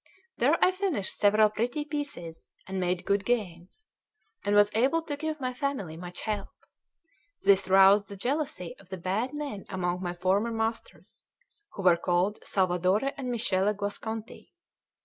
There I finished several pretty pieces, and made good gains, and was able to give my family much help. This roused the jealousy of the bad men among my former masters, who were called Salvadore and Michele Guasconti.